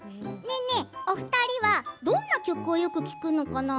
ねえねえ、お二人はどんな曲をよく聴くのかな？